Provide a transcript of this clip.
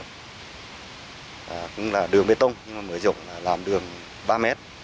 cũng là đường bê tông nhưng mà mở dụng là làm đường ba m